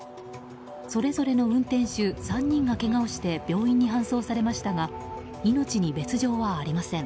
それぞれの運転手３人がけがをして病院に搬送されましたが命に別状はありません。